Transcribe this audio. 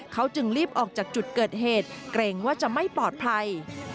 เขาจึงรีบออกจากจุดเกิดเหตุเกรงว่าจะไม่ปลอดภัย